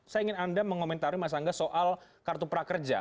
saya ingin anda mengomentari mas angga soal kartu prakerja